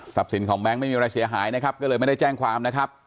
สินของแบงค์ไม่มีอะไรเสียหายนะครับก็เลยไม่ได้แจ้งความนะครับ